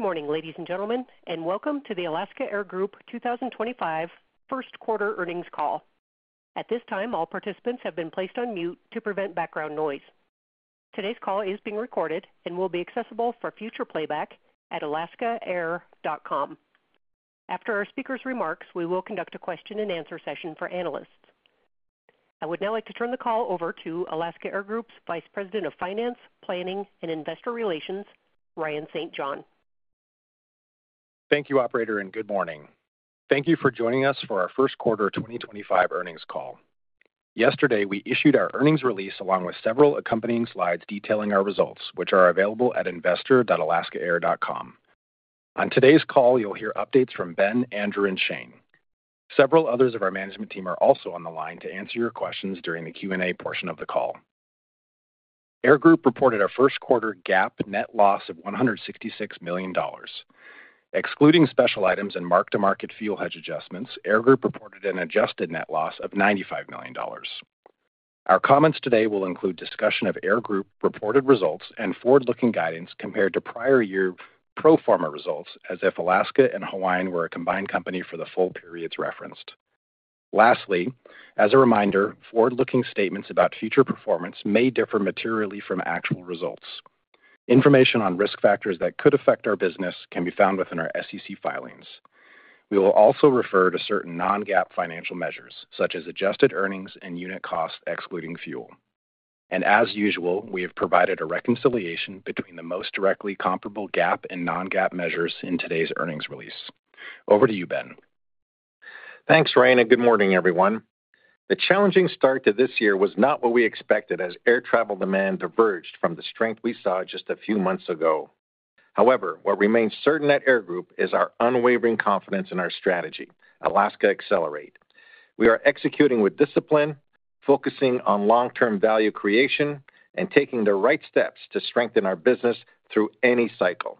Good morning, ladies and gentlemen, and welcome to the Alaska Air Group 2025 Q1 earnings call. At this time, all participants have been placed on mute to prevent background noise. Today's call is being recorded and will be accessible for future playback at alaskaair.com. After our speakers' remarks, we will conduct a question-and-answer session for analysts. I would now like to turn the call over to Alaska Air Group's Vice President of Finance, Planning, and Investor Relations, Ryan St. John. Thank you, Operator, and good morning. Thank you for joining us for our Q1 2025 earnings call. Yesterday, we issued our earnings release along with several accompanying slides detailing our results, which are available at investor.alaskaair.com. On today's call, you'll hear updates from Ben, Andrew, and Shane. Several others of our management team are also on the line to answer your questions during the Q&A portion of the call. Air Group reported a Q1 GAAP net loss of $166 million. Excluding special items and mark-to-market fuel hedge adjustments, Air Group reported an adjusted net loss of $95 million. Our comments today will include discussion of Air Group's reported results and forward-looking guidance compared to prior year pro forma results, as if Alaska and Hawaiian were a combined company for the full periods referenced. Lastly, as a reminder, forward-looking statements about future performance may differ materially from actual results. Information on risk factors that could affect our business can be found within our SEC filings. We will also refer to certain non-GAAP financial measures, such as adjusted earnings and unit cost excluding fuel. As usual, we have provided a reconciliation between the most directly comparable GAAP and non-GAAP measures in today's earnings release. Over to you, Ben. Thanks, Ryan, and good morning, everyone. The challenging start to this year was not what we expected as air travel demand diverged from the strength we saw just a few months ago. However, what remains certain at Air Group is our unwavering confidence in our strategy, Alaska Accelerate. We are executing with discipline, focusing on long-term value creation, and taking the right steps to strengthen our business through any cycle.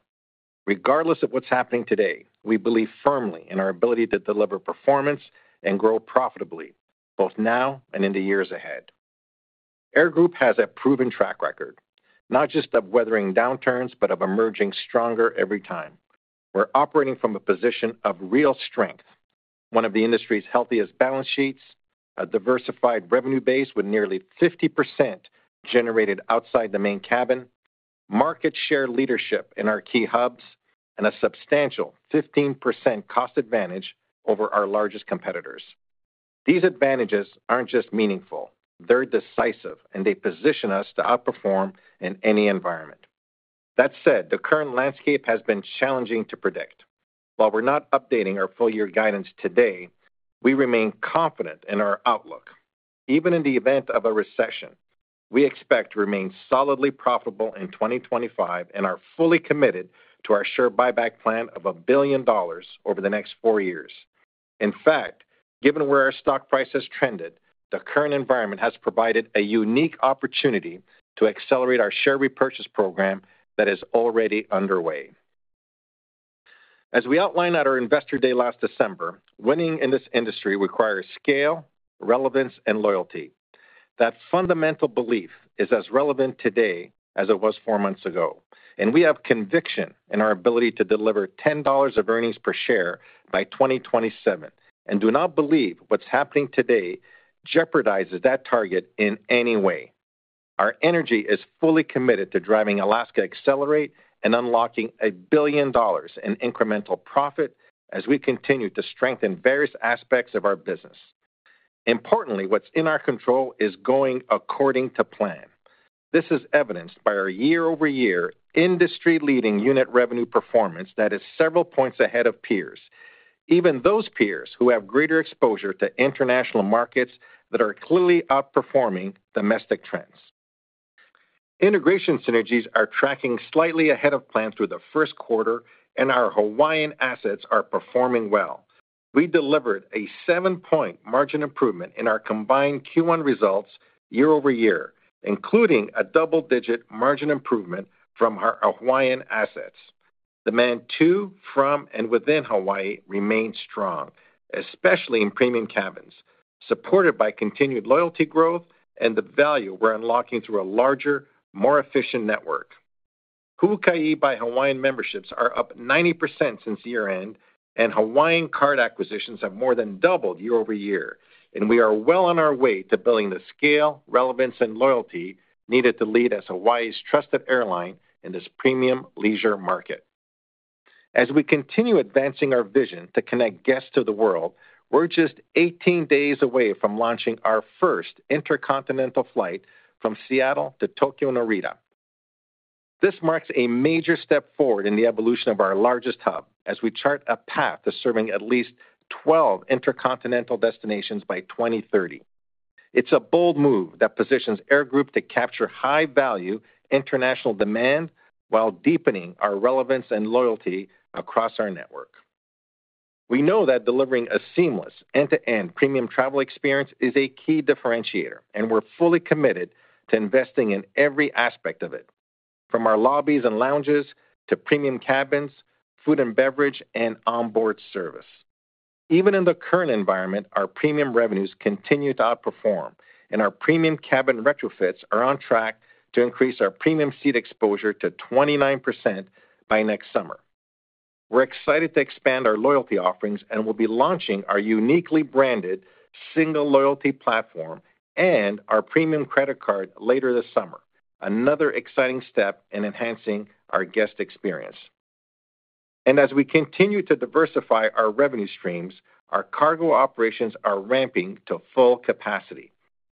Regardless of what's happening today, we believe firmly in our ability to deliver performance and grow profitably both now and in the years ahead. Air Group has a proven track record, not just of weathering downturns, but of emerging stronger every time. We're operating from a position of real strength, one of the industry's healthiest balance sheets, a diversified revenue base with nearly 50% generated outside the Main Cabin, market share leadership in our key hubs, and a substantial 15% cost advantage over our largest competitors. These advantages aren't just meaningful; they're decisive, and they position us to outperform in any environment. That said, the current landscape has been challenging to predict. While we're not updating our full-year guidance today, we remain confident in our outlook. Even in the event of a recession, we expect to remain solidly profitable in 2025 and are fully committed to our share buyback plan of $1 billion over the next four years. In fact, given where our stock price has trended, the current environment has provided a unique opportunity to accelerate our share repurchase program that is already underway. As we outlined at our investor day last December, winning in this industry requires scale, relevance, and loyalty. That fundamental belief is as relevant today as it was four months ago. We have conviction in our ability to deliver $10 of earnings per share by 2027 and do not believe what's happening today jeopardizes that target in any way. Our energy is fully committed to driving Alaska Accelerate and unlocking $1 billion in incremental profit as we continue to strengthen various aspects of our business. Importantly, what's in our control is going according to plan. This is evidenced by our year-over-year industry-leading unit revenue performance that is several points ahead of peers, even those peers who have greater exposure to international markets that are clearly outperforming domestic trends. Integration synergies are tracking slightly ahead of plan through the Q1, and our Hawaiian assets are performing well. We delivered a seven-point margin improvement in our combined Q1 results year-over-year, including a double-digit margin improvement from our Hawaiian assets. Demand to, from, and within Hawaii remains strong, especially in premium cabins, supported by continued loyalty growth and the value we're unlocking through a larger, more efficient network. Huaka'i by Hawaiian memberships are up 90% since year-end, and Hawaiian card acquisitions have more than doubled year-over-year. We are well on our way to building the scale, relevance, and loyalty needed to lead as Hawaii's trusted airline in this premium leisure market. As we continue advancing our vision to connect guests to the world, we're just 18 days away from launching our first intercontinental flight from Seattle to Tokyo Narita. This marks a major step forward in the evolution of our largest hub as we chart a path to serving at least 12 intercontinental destinations by 2030. It's a bold move that positions Air Group to capture high-value international demand while deepening our relevance and loyalty across our network. We know that delivering a seamless end-to-end premium travel experience is a key differentiator, and we're fully committed to investing in every aspect of it, from our lobbies and lounges to premium cabins, food and beverage, and onboard service. Even in the current environment, our premium revenues continue to outperform, and our premium cabin retrofits are on track to increase our premium seat exposure to 29% by next summer. We're excited to expand our loyalty offerings and will be launching our uniquely branded single loyalty platform and our premium credit card later this summer, another exciting step in enhancing our guest experience. As we continue to diversify our revenue streams, our cargo operations are ramping to full capacity.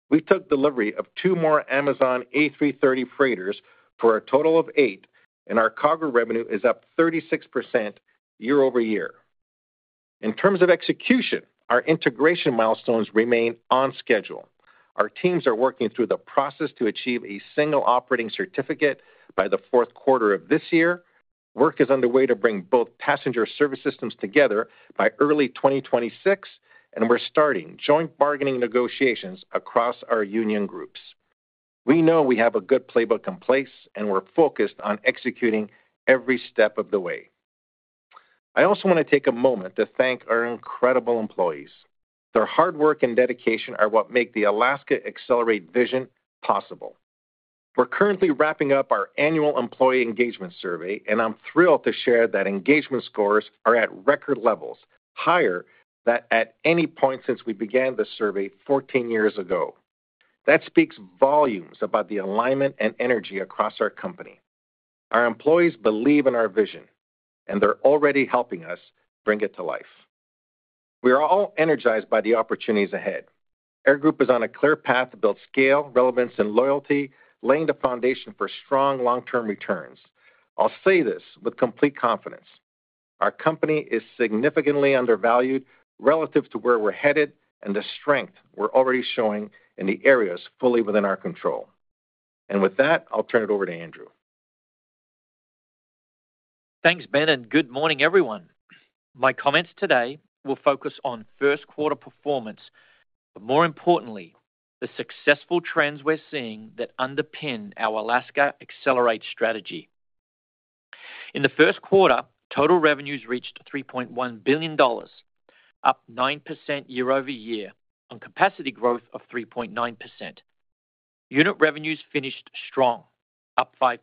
We took delivery of two more Amazon A330 freighters for a total of eight, and our cargo revenue is up 36% year-over-year. In terms of execution, our integration milestones remain on schedule. Our teams are working through the process to achieve a single operating certificate by the Q4 of this year. Work is underway to bring both passenger service systems together by early 2026, and we're starting joint bargaining negotiations across our union groups. We know we have a good playbook in place, and we're focused on executing every step of the way. I also want to take a moment to thank our incredible employees. Their hard work and dedication are what make the Alaska Accelerate vision possible. We're currently wrapping up our annual employee engagement survey, and I'm thrilled to share that engagement scores are at record levels, higher than at any point since we began the survey 14 years ago. That speaks volumes about the alignment and energy across our company. Our employees believe in our vision, and they're already helping us bring it to life. We are all energized by the opportunities ahead. Air Group is on a clear path to build scale, relevance, and loyalty, laying the foundation for strong long-term returns. I'll say this with complete confidence: our company is significantly undervalued relative to where we're headed and the strength we're already showing in the areas fully within our control. With that, I'll turn it over to Andrew. Thanks, Ben, and good morning, everyone. My comments today will focus on Q1 performance, but more importantly, the successful trends we're seeing that underpin our Alaska Accelerate strategy. In the Q1, total revenues reached $3.1 billion, up 9% year-over-year, and capacity growth of 3.9%. Unit revenues finished strong, up 5%.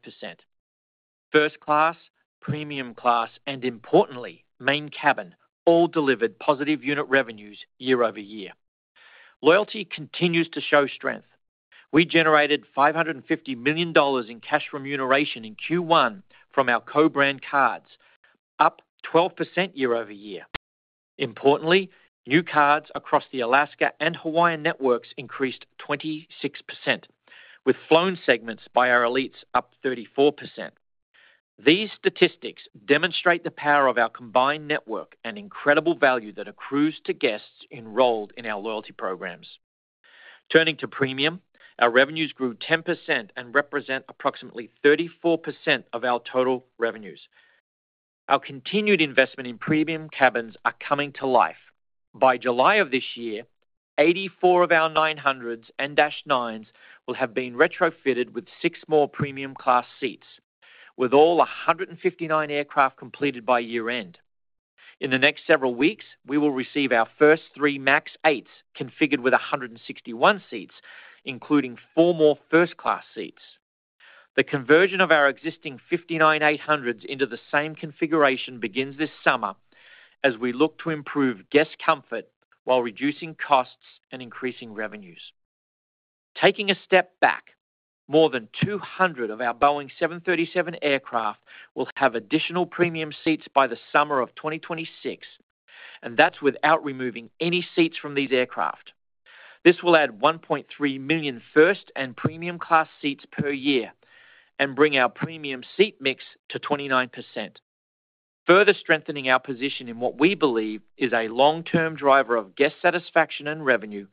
First Class, Premium Class, and importantly, Main Cabin all delivered positive unit revenues year-over-year. Loyalty continues to show strength. We generated $550 million in cash remuneration in Q1 from our co-brand cards, up 12% year-over-year. Importantly, new cards across the Alaska and Hawaiian networks increased 26%, with flown segments by our elites up 34%. These statistics demonstrate the power of our combined network and incredible value that accrues to guests enrolled in our loyalty programs. Turning to premium, our revenues grew 10% and represent approximately 34% of our total revenues. Our continued investment in premium cabins is coming to life. By July of this year, 84 of our 900s and -9s will have been retrofitted with six more Premium Class seats, with all 159 aircraft completed by year-end. In the next several weeks, we will receive our 1st 3 max 8s configured with 161 seats, including four more First Class seats. The conversion of our existing 59 800s into the same configuration begins this summer as we look to improve guest comfort while reducing costs and increasing revenues. Taking a step back, more than 200 of our Boeing 737 aircraft will have additional premium seats by the summer of 2026, and that's without removing any seats from these aircraft. This will add 1.3 million first and Premium Class seats per year and bring our premium seat mix to 29%, further strengthening our position in what we believe is a long-term driver of guest satisfaction and revenue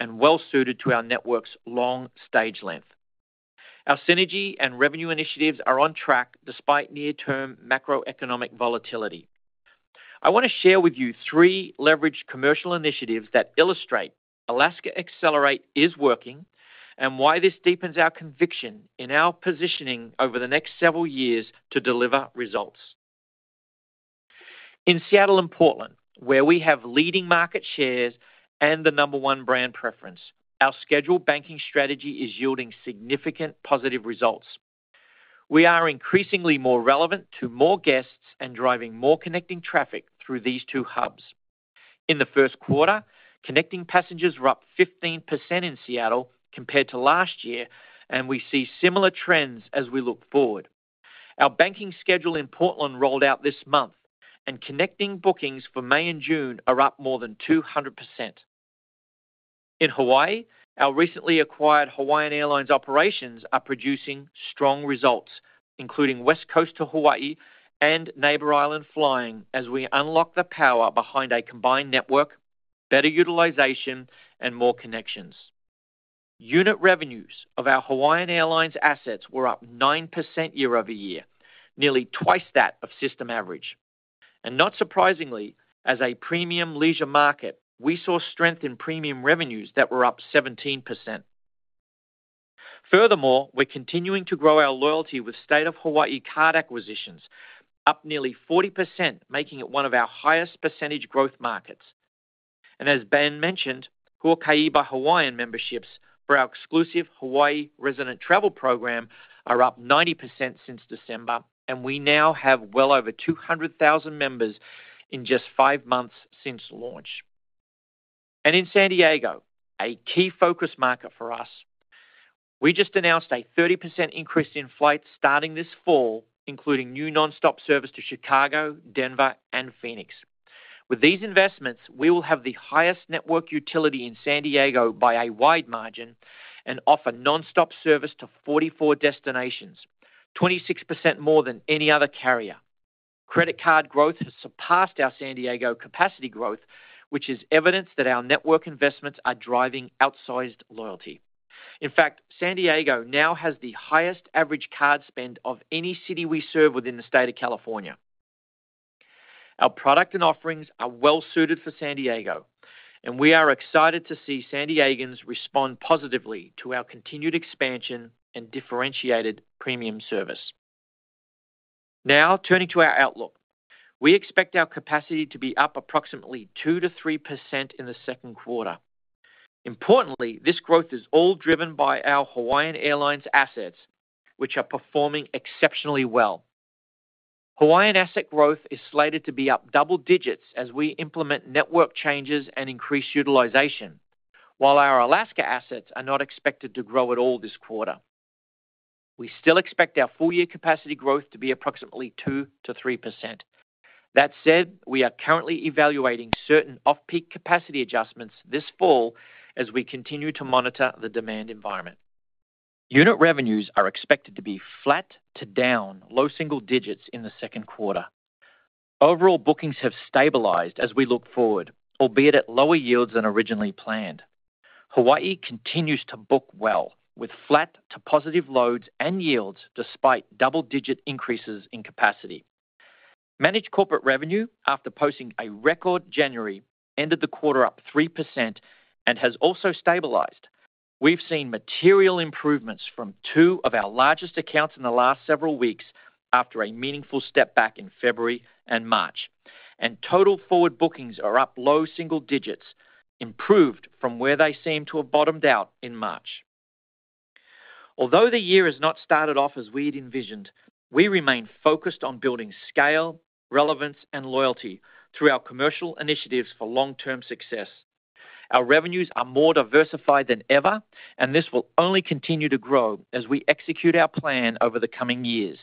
and well-suited to our network's long stage length. Our synergy and revenue initiatives are on track despite near-term macroeconomic volatility. I want to share with you three leveraged commercial initiatives that illustrate Alaska Accelerate is working and why this deepens our conviction in our positioning over the next several years to deliver results. In Seattle and Portland, where we have leading market shares and the number one brand preference, our scheduled banking strategy is yielding significant positive results. We are increasingly more relevant to more guests and driving more connecting traffic through these two hubs. In the Q1, connecting passengers were up 15% in Seattle compared to last year, and we see similar trends as we look forward. Our banking schedule in Portland rolled out this month, and connecting bookings for May and June are up more than 200%. In Hawaii, our recently acquired Hawaiian Airlines operations are producing strong results, including West Coast to Hawaii and Neighbor Island flying as we unlock the power behind a combined network, better utilization, and more connections. Unit revenues of our Hawaiian Airlines assets were up 9% year-over-year, nearly twice that of system average. Not surprisingly, as a premium leisure market, we saw strength in premium revenues that were up 17%. Furthermore, we're continuing to grow our loyalty with State of Hawaii card acquisitions, up nearly 40%, making it one of our highest percentage growth markets. As Ben mentioned, Huaka'i by Hawaiian memberships for our exclusive Hawaii resident travel program are up 90% since December, and we now have well over 200,000 members in just five months since launch. In San Diego, a key focus market for us, we just announced a 30% increase in flights starting this fall, including new non-stop service to Chicago, Denver, and Phoenix. With these investments, we will have the highest network utility in San Diego by a wide margin and offer non-stop service to 44 destinations, 26% more than any other carrier. Credit card growth has surpassed our San Diego capacity growth, which is evidence that our network investments are driving outsized loyalty. In fact, San Diego now has the highest average card spend of any city we serve within the state of California. Our product and offerings are well-suited for San Diego, and we are excited to see San Diegans respond positively to our continued expansion and differentiated premium service. Now, turning to our outlook, we expect our capacity to be up approximately 2-3% in the Q2. Importantly, this growth is all driven by our Hawaiian Airlines assets, which are performing exceptionally well. Hawaiian asset growth is slated to be up double digits as we implement network changes and increase utilization, while our Alaska assets are not expected to grow at all this quarter. We still expect our full-year capacity growth to be approximately 2-3%. That said, we are currently evaluating certain off-peak capacity adjustments this fall as we continue to monitor the demand environment. Unit revenues are expected to be flat to down, low single digits in the Q2. Overall, bookings have stabilized as we look forward, albeit at lower yields than originally planned. Hawaii continues to book well, with flat to positive loads and yields despite double-digit increases in capacity. Managed corporate revenue, after posting a record January, ended the quarter up 3% and has also stabilized. We've seen material improvements from two of our largest accounts in the last several weeks after a meaningful step back in February and March, and total forward bookings are up low single digits, improved from where they seem to have bottomed out in March. Although the year has not started off as we had envisioned, we remain focused on building scale, relevance, and loyalty through our commercial initiatives for long-term success. Our revenues are more diversified than ever, and this will only continue to grow as we execute our plan over the coming years,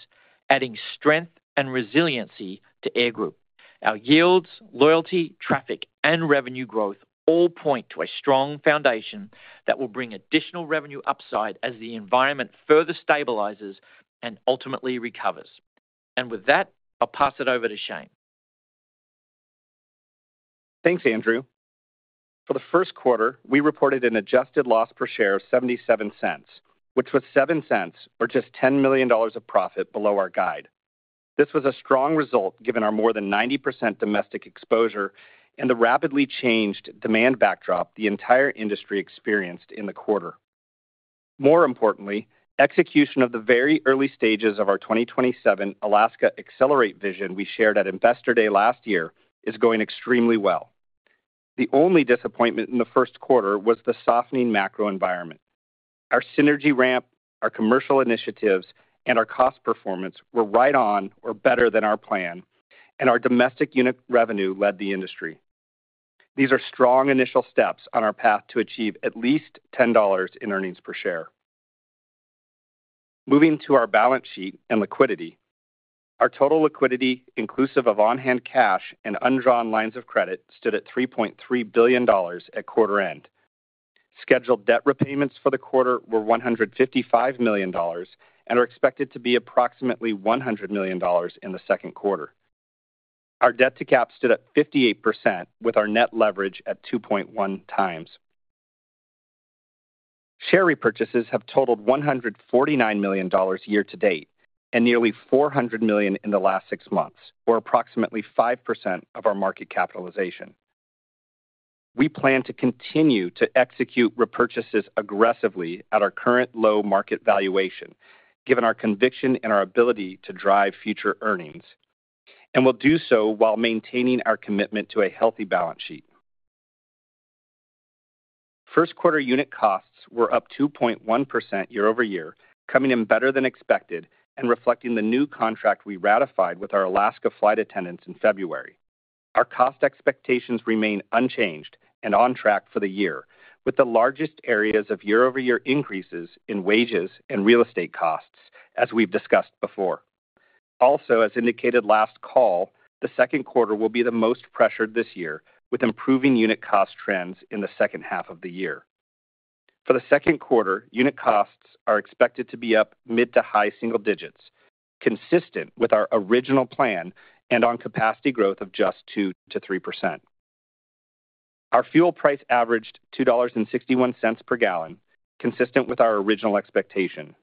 adding strength and resiliency to Air Group. Our yields, loyalty, traffic, and revenue growth all point to a strong foundation that will bring additional revenue upside as the environment further stabilizes and ultimately recovers. With that, I'll pass it over to Shane. Thanks, Andrew. For the Q1, we reported an adjusted loss per share of $0.77, which was $0.07, or just $10 million of profit below our guide. This was a strong result given our more than 90% domestic exposure and the rapidly changed demand backdrop the entire industry experienced in the quarter. More importantly, execution of the very early stages of our 2027 Alaska Accelerate vision we shared at Investor Day last year is going extremely well. The only disappointment in the Q1 was the softening macro environment. Our synergy ramp, our commercial initiatives, and our cost performance were right on or better than our plan, and our domestic unit revenue led the industry. These are strong initial steps on our path to achieve at least $10 in earnings per share. Moving to our balance sheet and liquidity, our total liquidity, inclusive of on-hand cash and undrawn lines of credit, stood at $3.3 billion at quarter end. Scheduled debt repayments for the quarter were $155 million and are expected to be approximately $100 million in the Q2. Our debt to cap stood at 58%, with our net leverage at 2.1 times. Share repurchases have totaled $149 million year-to-date and nearly $400 million in the last six months, or approximately 5% of our market capitalization. We plan to continue to execute repurchases aggressively at our current low market valuation, given our conviction and our ability to drive future earnings, and we'll do so while maintaining our commitment to a healthy balance sheet. Q1 unit costs were up 2.1% year-over-year, coming in better than expected and reflecting the new contract we ratified with our Alaska flight attendants in February. Our cost expectations remain unchanged and on track for the year, with the largest areas of year-over-year increases in wages and real estate costs, as we've discussed before. Also, as indicated last call, the Q2 will be the most pressured this year, with improving unit cost trends in the second half of the year. For the Q2, unit costs are expected to be up mid to high single digits, consistent with our original plan and on capacity growth of just 2-3%. Our fuel price averaged $2.61 per gallon, consistent with our original expectation.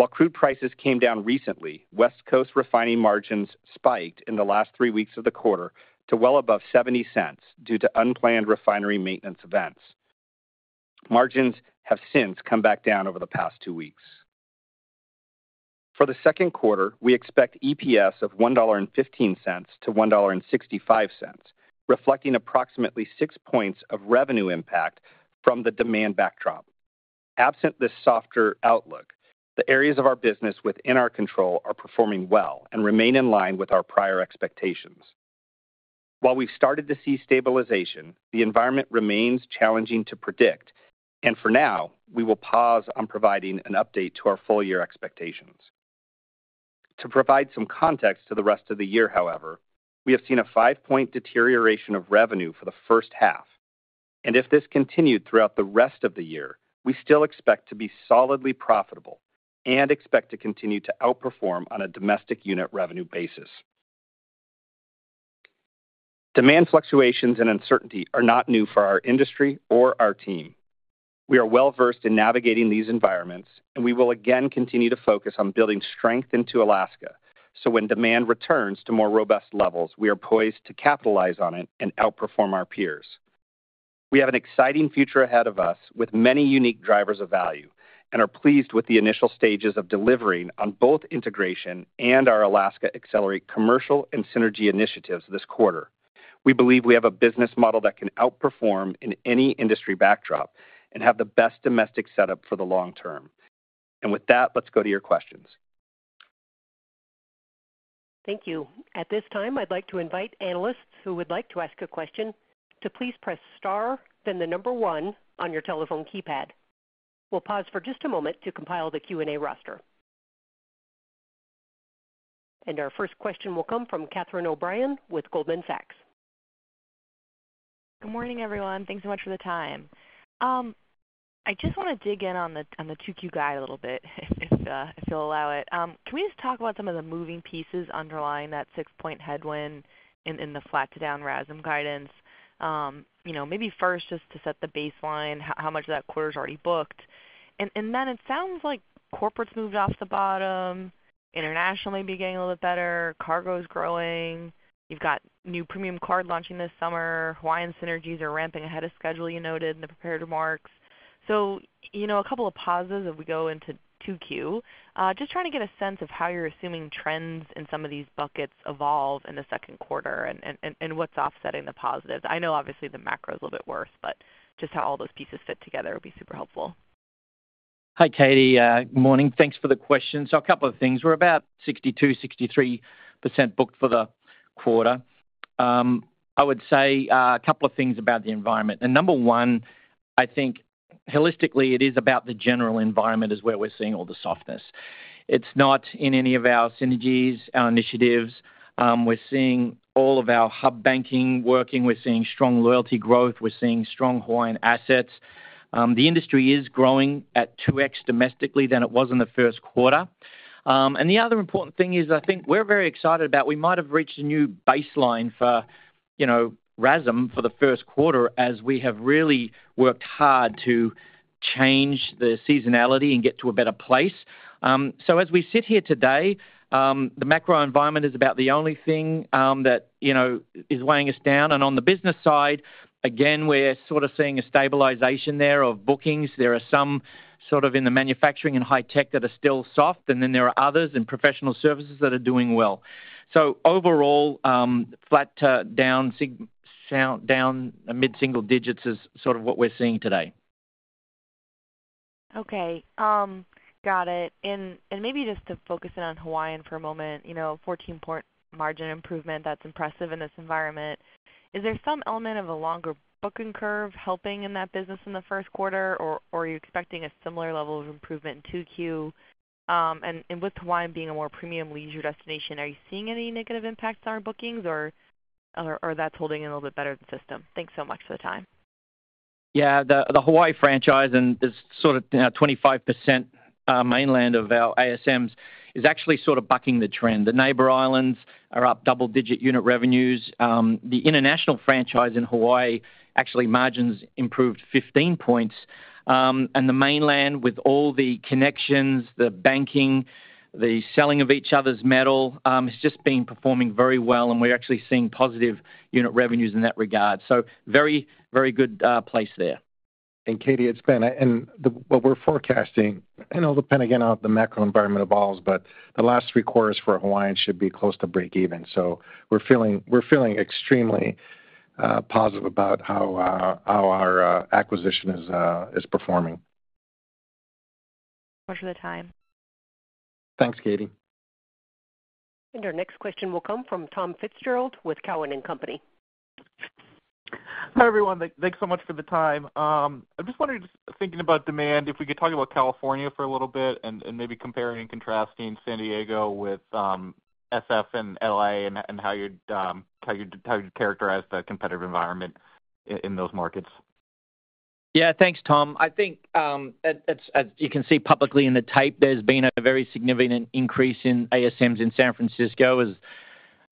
While crude prices came down recently, West Coast refining margins spiked in the last three weeks of the quarter to well above 70 cents due to unplanned refinery maintenance events. Margins have since come back down over the past two weeks. For the Q2, we expect EPS of $1.15-$1.65, reflecting approximately 6% of revenue impact from the demand backdrop. Absent this softer outlook, the areas of our business within our control are performing well and remain in line with our prior expectations. While we've started to see stabilization, the environment remains challenging to predict, and for now, we will pause on providing an update to our full-year expectations. To provide some context to the rest of the year, however, we have seen a five-point deterioration of revenue for the first half, and if this continued throughout the rest of the year, we still expect to be solidly profitable and expect to continue to outperform on a domestic unit revenue basis. Demand fluctuations and uncertainty are not new for our industry or our team. We are well-versed in navigating these environments, and we will again continue to focus on building strength into Alaska so when demand returns to more robust levels, we are poised to capitalize on it and outperform our peers. We have an exciting future ahead of us with many unique drivers of value and are pleased with the initial stages of delivering on both integration and our Alaska Accelerate commercial and synergy initiatives this quarter. We believe we have a business model that can outperform in any industry backdrop and have the best domestic setup for the long term. Let's go to your questions. Thank you. At this time, I'd like to invite analysts who would like to ask a question to please press star, then the number one on your telephone keypad. We'll pause for just a moment to compile the Q&A roster. Our first question will come from Catherine O'Brien with Goldman Sachs. Good morning, everyone. Thanks so much for the time. I just want to dig in on the 2Q guide a little bit, if you'll allow it. Can we just talk about some of the moving pieces underlying that six-point headwind in the flat to down RASM guidance? Maybe first, just to set the baseline, how much of that quarter is already booked? It sounds like corporates moved off the bottom, international maybe getting a little bit better, cargo is growing, you've got new premium card launching this summer, Hawaiian synergies are ramping ahead of schedule, you noted in the preparatory marks. A couple of positives as we go into 2Q, just trying to get a sense of how you're assuming trends in some of these buckets evolve in the Q2 and what's offsetting the positives. I know, obviously, the macro is a little bit worse, but just how all those pieces fit together would be super helpful. Hi, Catie. Good morning. Thanks for the question. A couple of things. We're about 62-63% booked for the quarter. I would say a couple of things about the environment. Number one, I think holistically, it is about the general environment is where we're seeing all the softness. It's not in any of our synergies, our initiatives. We're seeing all of our hub banking working. We're seeing strong loyalty growth. We're seeing strong Hawaiian assets. The industry is growing at 2x domestically than it was in the Q1. The other important thing is I think we're very excited about we might have reached a new baseline for rasm for the Q1 as we have really worked hard to change the seasonality and get to a better place. As we sit here today, the macro environment is about the only thing that is weighing us down. On the business side, again, we're sort of seeing a stabilization there of bookings. There are some sort of in the manufacturing and high tech that are still soft, and then there are others in professional services that are doing well. Overall, flat to down, mid single digits is sort of what we're seeing today. Okay. Got it. Maybe just to focus in on Hawaiian for a moment, 14-point margin improvement, that's impressive in this environment. Is there some element of a longer booking curve helping in that business in the Q1, or are you expecting a similar level of improvement in 2Q? With Hawaiian being a more premium leisure destination, are you seeing any negative impacts on our bookings, or that's holding in a little bit better than the system? Thanks so much for the time. Yeah. The Hawaii franchise and this sort of 25% mainland of our ASMs is actually sort of bucking the trend. The Neighbor Islands are up double-digit unit revenues. The international franchise in Hawaii actually margins improved 15 percentage points. And the mainland, with all the connections, the banking, the selling of each other's metal, has just been performing very well, and we're actually seeing positive unit revenues in that regard. So very, very good place there. Catie, it's been what we're forecasting. It'll depend again on how the macro environment evolves, but the last three quarters for Hawaiian should be close to break-even. We are feeling extremely positive about how our acquisition is performing. Thanks so much for the time. Thanks, Catie. Our next question will come from Tom Fitzgerald with Cowen & Company. Hi, everyone. Thanks so much for the time. I'm just wondering, thinking about demand, if we could talk about California for a little bit and maybe comparing and contrasting San Diego with San Francisco and Los Angeles and how you'd characterize the competitive environment in those markets. Yeah. Thanks, Tom. I think, as you can see publicly in the tape, there's been a very significant increase in ASMs in San Francisco as a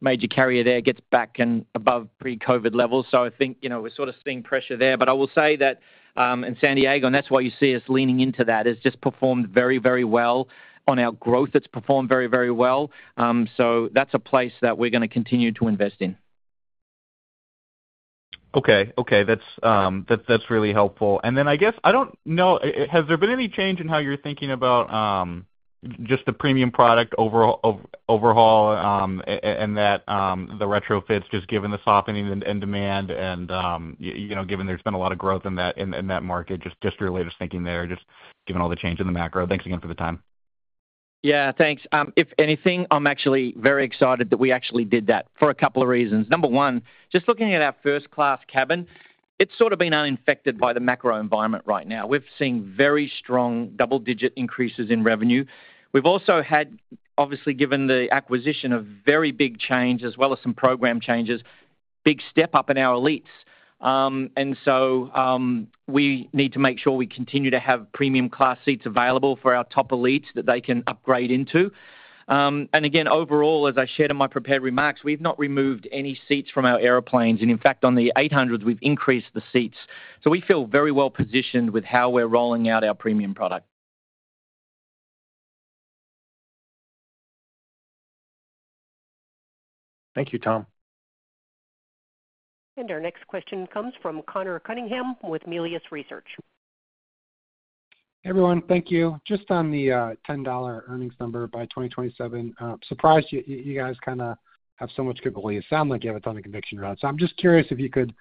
major carrier there gets back above pre-COVID levels. I think we're sort of seeing pressure there. I will say that in San Diego, and that's why you see us leaning into that, has just performed very, very well on our growth. It's performed very, very well. That's a place that we're going to continue to invest in. Okay. Okay. That's really helpful. I guess, I don't know, has there been any change in how you're thinking about just the premium product overhaul and the retrofits, just given the softening in demand and given there's been a lot of growth in that market? Just your latest thinking there, just given all the change in the macro. Thanks again for the time. Yeah. Thanks. If anything, I'm actually very excited that we actually did that for a couple of reasons. Number one, just looking at our First-Class cabin, it's sort of been unaffected by the macro environment right now. We've seen very strong double-digit increases in revenue. We've also had, obviously, given the acquisition, a very big change as well as some program changes, big step up in our elites. We need to make sure we continue to have premium-class seats available for our top elites that they can upgrade into. Again, overall, as I shared in my prepared remarks, we've not removed any seats from our airplanes. In fact, on the 800s, we've increased the seats. We feel very well-positioned with how we're rolling out our premium product. Thank you, Tom. Our next question comes from Connor Cunningham with Melius Research. Hey, everyone. Thank you. Just on the $10 earnings number by 2027, surprised you guys kind of have so much capability. It sounded like you have a ton of conviction around. I'm just curious if you could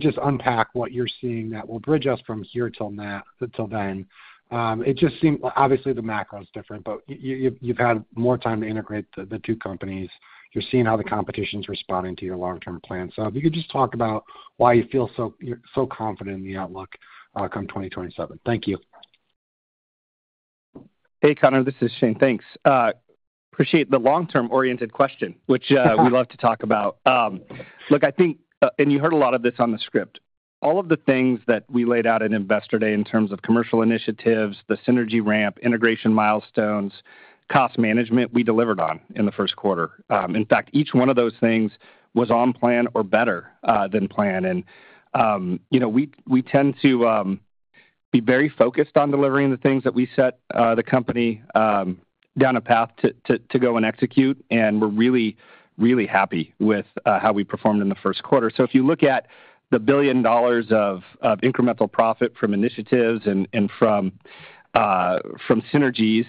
just unpack what you're seeing that will bridge us from here until then. It just seemed, obviously, the macro is different, but you've had more time to integrate the two companies. You're seeing how the competition's responding to your long-term plan. If you could just talk about why you feel so confident in the outlook come 2027. Thank you. Hey, Connor. This is Shane. Thanks. Appreciate the long-term-oriented question, which we love to talk about. Look, I think, and you heard a lot of this on the script, all of the things that we laid out at Investor Day in terms of commercial initiatives, the synergy ramp, integration milestones, cost management, we delivered on in the Q1. In fact, each one of those things was on plan or better than plan. We tend to be very focused on delivering the things that we set the company down a path to go and execute, and we're really, really happy with how we performed in the Q1. If you look at the billion dollars of incremental profit from initiatives and from synergies,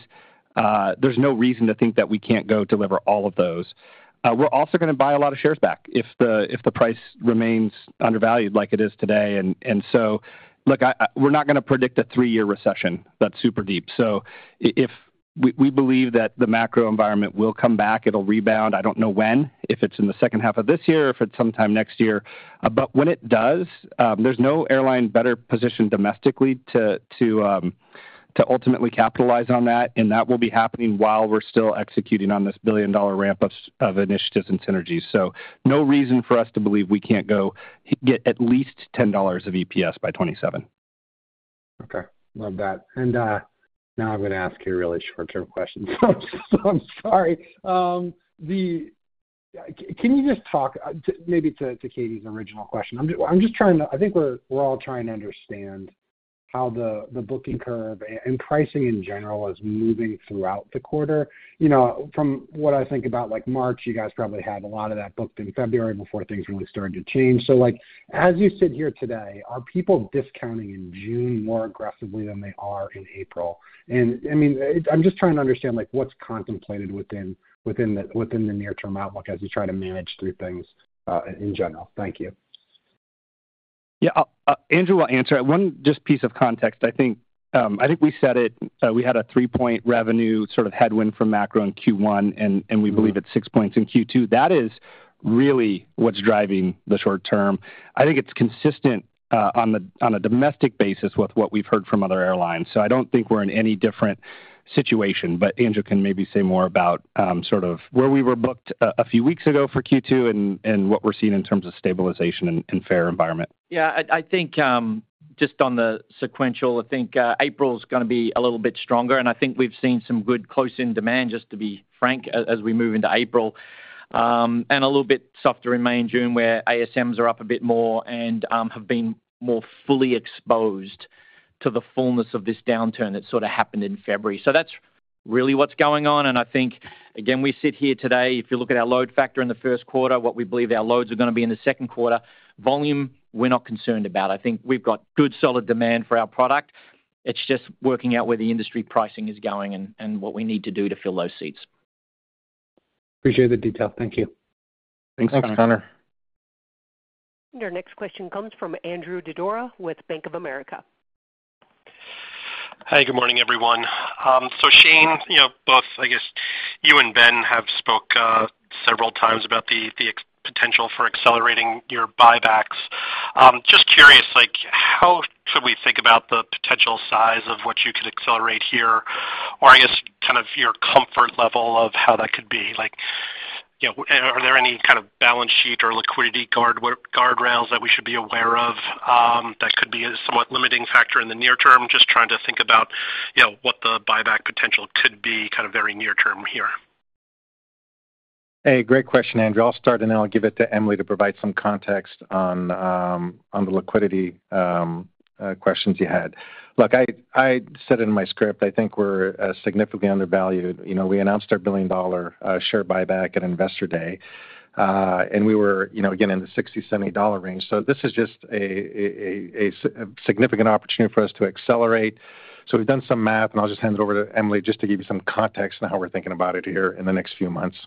there's no reason to think that we can't go deliver all of those. We're also going to buy a lot of shares back if the price remains undervalued like it is today. Look, we're not going to predict a three-year recession that's super deep. We believe that the macro environment will come back. It'll rebound. I don't know when, if it's in the second half of this year or if it's sometime next year. When it does, there's no airline better positioned domestically to ultimately capitalize on that, and that will be happening while we're still executing on this billion-dollar ramp of initiatives and synergies. There's no reason for us to believe we can't go get at least $10 of EPS by 2027. Okay. Love that. I am going to ask you a really short-term question, so I am sorry. Can you just talk maybe to Catie's original question? I am just trying to, I think we are all trying to understand how the booking curve and pricing in general is moving throughout the quarter. From what I think about March, you guys probably had a lot of that booked in February before things really started to change. As you sit here today, are people discounting in June more aggressively than they are in April? I mean, I am just trying to understand what is contemplated within the near-term outlook as you try to manage through things in general. Thank you. Yeah. Andrew will answer. One just piece of context. I think we said it. We had a three-point revenue sort of headwind from macro in Q1, and we believe it's six points in Q2. That is really what's driving the short-term. I think it's consistent on a domestic basis with what we've heard from other airlines. I don't think we're in any different situation. Andrew can maybe say more about sort of where we were booked a few weeks ago for Q2 and what we're seeing in terms of stabilization in fair environment. Yeah. I think just on the sequential, I think April is going to be a little bit stronger. I think we've seen some good close-in demand, just to be frank, as we move into April, and a little bit softer in May and June where ASMs are up a bit more and have been more fully exposed to the fullness of this downturn that sort of happened in February. That's really what's going on. I think, again, we sit here today, if you look at our load factor in the Q1, what we believe our loads are going to be in the Q2, volume, we're not concerned about. I think we've got good solid demand for our product. It's just working out where the industry pricing is going and what we need to do to fill those seats. Appreciate the detail. Thank you. Thanks, Connor. Our next question comes from Andrew Didora with Bank of America. Hey, good morning, everyone. Shane, both, I guess, you and Ben have spoke several times about the potential for accelerating your buybacks. Just curious, how should we think about the potential size of what you could accelerate here, or I guess kind of your comfort level of how that could be? Are there any kind of balance sheet or liquidity guardrails that we should be aware of that could be a somewhat limiting factor in the near term? Just trying to think about what the buyback potential could be kind of very near term here. Hey, great question, Andrew. I'll start, and then I'll give it to Emily to provide some context on the liquidity questions you had. Look, I said in my script, I think we're significantly undervalued. We announced our billion-dollar share buyback at Investor Day, and we were, again, in the $60-$70 range. This is just a significant opportunity for us to accelerate. We've done some math, and I'll just hand it over to Emily to give you some context on how we're thinking about it here in the next few months.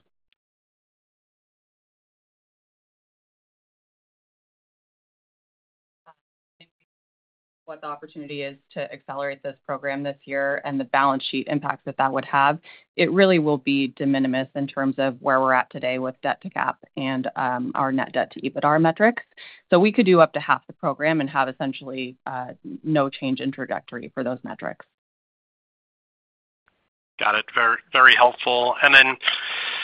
What the opportunity is to accelerate this program this year and the balance sheet impacts that that would have, it really will be de minimis in terms of where we're at today with debt to cap and our net debt to EBITDA metrics. We could do up to half the program and have essentially no change in trajectory for those metrics. Got it. Very helpful.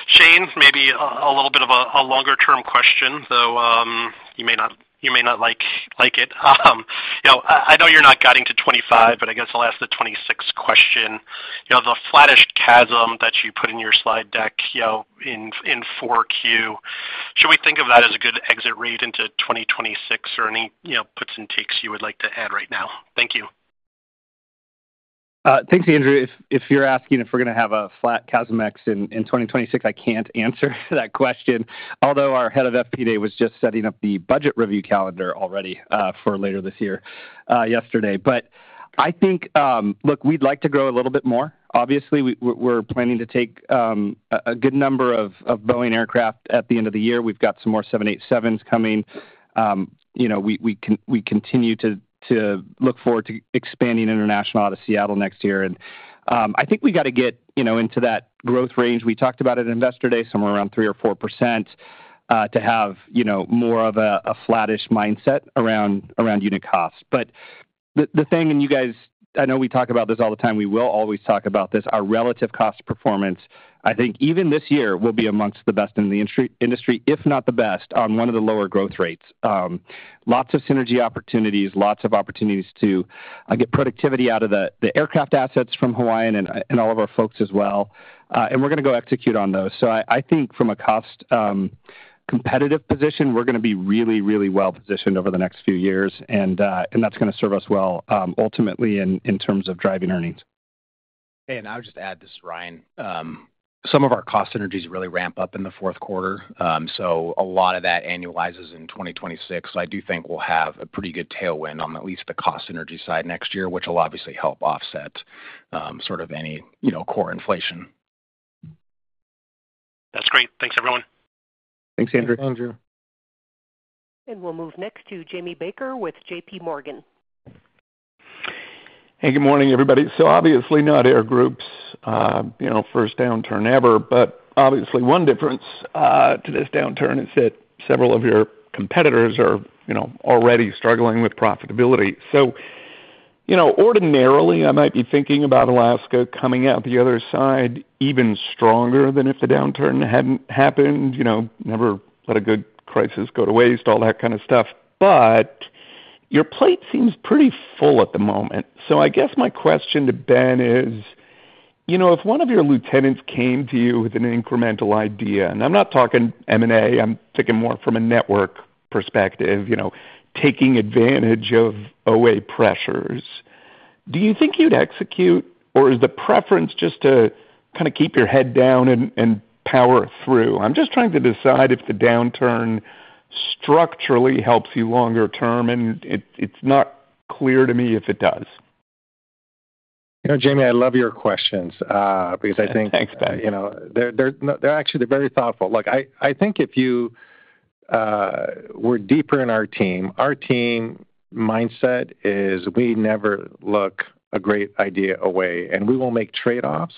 Shane, maybe a little bit of a longer-term question, though you may not like it. I know you're not guiding to 2025, but I guess I'll ask the 2026 question. The flattish CASM that you put in your slide deck in Q4, should we think of that as a good exit rate into 2026 or any puts and takes you would like to add right now? Thank you. Thanks, Andrew. If you're asking if we're going to have a flat CASM ex in 2026, I can't answer that question, although our head of FP&A was just setting up the budget review calendar already for later this year yesterday. I think, look, we'd like to grow a little bit more. Obviously, we're planning to take a good number of Boeing aircraft at the end of the year. We've got some more 787s coming. We continue to look forward to expanding international out of Seattle next year. I think we got to get into that growth range. We talked about it at Investor Day, somewhere around 3% or 4%, to have more of a flattish mindset around unit costs. The thing, and you guys, I know we talk about this all the time. We will always talk about this. Our relative cost performance, I think even this year, will be amongst the best in the industry, if not the best, on one of the lower growth rates. Lots of synergy opportunities, lots of opportunities to get productivity out of the aircraft assets from Hawaiian and all of our folks as well. We're going to go execute on those. I think from a cost competitive position, we're going to be really, really well-positioned over the next few years, and that's going to serve us well ultimately in terms of driving earnings. Hey, and I'll just add this, Ryan. Some of our cost synergies really ramp up in the Q4. A lot of that annualizes in 2026. I do think we'll have a pretty good tailwind on at least the cost synergy side next year, which will obviously help offset sort of any core inflation. That's great. Thanks, everyone. Thanks, Andrew We will move next to Jamie Baker with JPMorgan. Hey, good morning, everybody. Obviously, not Air Group's first downturn ever. Obviously, one difference to this downturn is that several of your competitors are already struggling with profitability. Ordinarily, I might be thinking about Alaska coming out the other side even stronger than if the downturn hadn't happened, never let a good crisis go to waste, all that kind of stuff. Your plate seems pretty full at the moment. I guess my question to Ben is, if one of your lieutenants came to you with an incremental idea, and I'm not talking M&A, I'm thinking more from a network perspective, taking advantage of OA pressures, do you think you'd execute, or is the preference just to kind of keep your head down and power through? I'm just trying to decide if the downturn structurally helps you longer term, and it's not clear to me if it does. Jamie, I love your questions because I think. Thanks, Ben. They're actually very thoughtful. Look, I think if you were deeper in our team, our team mindset is we never look a great idea away, and we will make trade-offs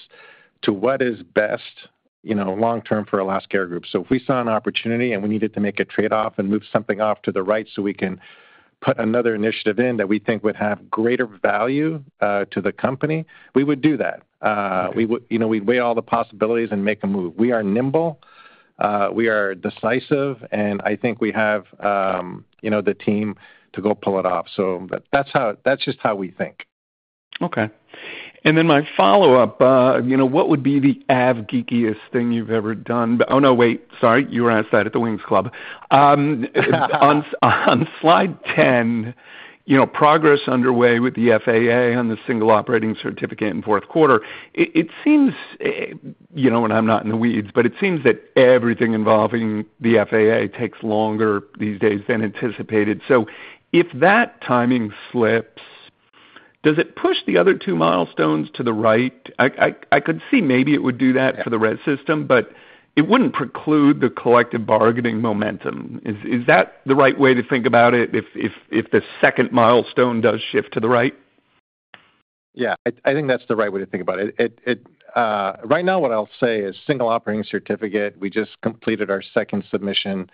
to what is best long-term for Alaska Air Group. If we saw an opportunity and we needed to make a trade-off and move something off to the right so we can put another initiative in that we think would have greater value to the company, we would do that. We'd weigh all the possibilities and make a move. We are nimble. We are decisive, and I think we have the team to go pull it off. That's just how we think. Okay. And then my follow-up, what would be the av geekiest thing you've ever done? Oh, no, wait. Sorry. You were asked that at the Wings Club. On slide 10, progress underway with the FAA on the single operating certificate in Q4. It seems, and I'm not in the weeds, but it seems that everything involving the FAA takes longer these days than anticipated. If that timing slips, does it push the other two milestones to the right? I could see maybe it would do that for the Res system, but it wouldn't preclude the collective bargaining momentum. Is that the right way to think about it if the second milestone does shift to the right? Yeah. I think that's the right way to think about it. Right now, what I'll say is single operating certificate. We just completed our second submission.